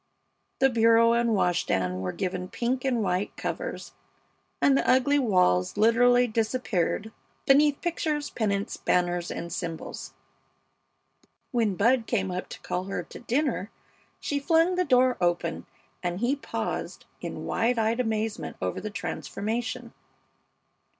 The bureau and wash stand were given pink and white covers, and the ugly walls literally disappeared beneath pictures, pennants, banners, and symbols. When Bud came up to call her to dinner she flung the door open, and he paused in wide eyed amazement over the transformation.